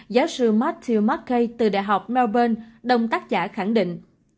giáo sư matthew markey từ đại học melbourne đồng tác giả khẳng định